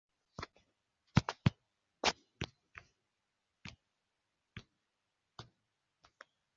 คือเป็นหัวที่โผล่มาพร่ำสอนศีลธรรมทางจอ